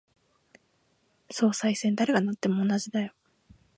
総裁選、誰がなっても同じだよ。